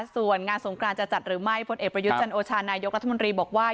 ส่วนงานสงกรานจะจัดหรือไม่พลเอกประยุทธ์จันโอชานายกรัฐมนตรีบอกว่า